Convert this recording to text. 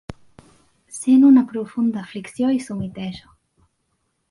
Sent una profunda aflicció i s'humiteja.